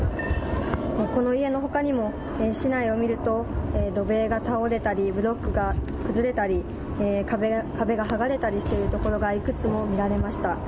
この家のほかにも、市内を見ると、土塀が倒れたり、ブロックが崩れたり、壁が剥がれたりしている所がいくつも見られました。